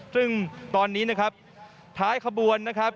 ซึ่งตอนนี้นะครับท้ายขบวนนะครับ